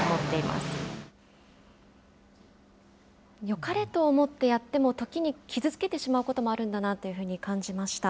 よかれと思ってやっても、時に傷つけてしまうこともあるんだなというふうに感じました。